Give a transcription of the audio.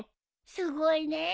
すごいねえ